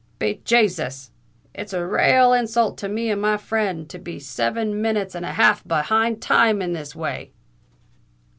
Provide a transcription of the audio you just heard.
"Be Jasus! it's a rale insult to me and my frind, to be seven minutes and a half behind time in this way!"